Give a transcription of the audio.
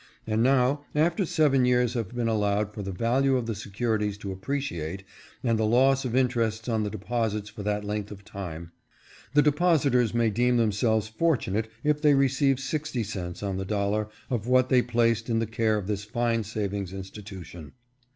And now, after seven years have been FALSE APPEARANCES. 493 allowed for the value of the securities to appreciate and the loss of interests on the deposits for that length of time, the depositors may deem themselves fortunate if they receive sixty cents on the dollar of what they placed in the care of this fine savings institution.